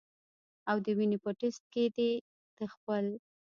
او د وینې پۀ ټېسټ کښې دې د خپل